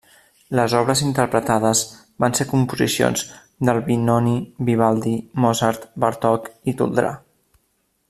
Les obres interpretades van ser composicions d'Albinoni, Vivaldi, Mozart, Bartók i Toldrà.